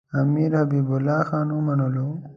امیر حبیب الله خان ومنلو.